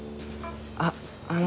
あっあの。